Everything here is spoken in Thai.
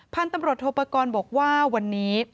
พันธุ์ตำรวจโทปกรณ์บอกว่าวันนี้